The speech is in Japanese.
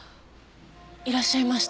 いらっしゃいました。